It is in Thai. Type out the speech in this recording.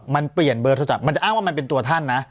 มันเปลี่ยนเบอร์โทรศัพท์มันจะอ้างว่ามันเป็นตัวท่านนะ